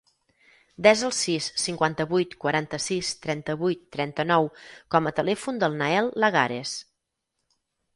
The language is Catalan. Desa el sis, cinquanta-vuit, quaranta-sis, trenta-vuit, trenta-nou com a telèfon del Nael Lagares.